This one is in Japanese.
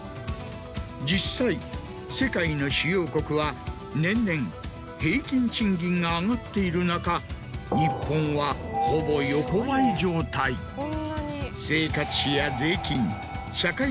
実際世界の主要国は年々平均賃金が上がっている中日本はほぼ横ばい状態。を考えると。